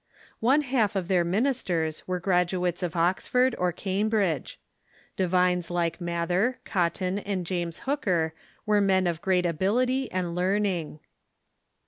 One half of their ministers were graduates of Oxford or Cambridge. Divines like Mather, Cotton, and l^homas Hooker were men of great ability and learning.